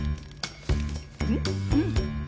うん！